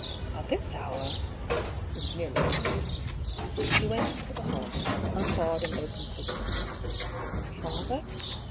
"At this hour!" (It was nearly midnight.) He went into the hall, unbarred and opened the door : "Father?"